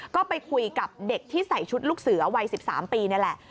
ก็ไปคุยกับเด็กที่ใส่ชุดลูกเสือวัย๑๓ปีนี่แหละ